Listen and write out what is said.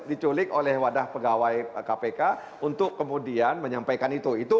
diculik oleh wadah pegawai kpk untuk kemudian menyampaikan itu